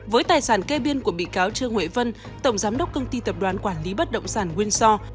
với tài sản kê biên của bị cáo trương huệ vân tổng giám đốc công ty tập đoàn quản lý bất động sản nguyên so